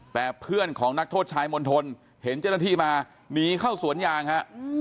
แต่เพื่อนของนักโทษชายมณฑลเห็นเจ้าหน้าที่มาหนีเข้าสวนยางฮะ